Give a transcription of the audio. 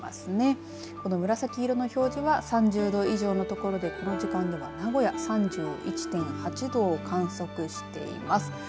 この紫色の表示は３０度以上の所でこの時間では名古屋３１．８度を観測しています。